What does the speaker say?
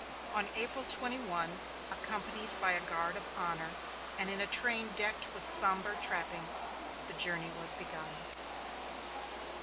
On April 21, accompanied by a guard of honor, and in a train decked with somber trappings, the journey was begun.